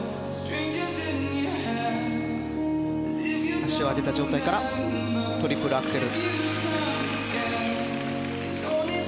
足を上げた状態からトリプルアクセル。